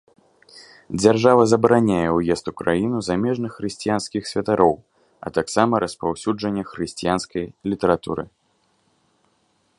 Дзяржава забараняе ўезд у краіну замежных хрысціянскіх святароў, а таксама распаўсюджанне хрысціянскай літаратуры.